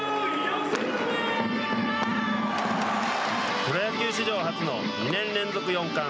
プロ野球史上初の２年連続四冠。